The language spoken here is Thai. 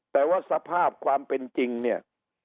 แต่ว่าสภาพความเป็นจริงเนี่ย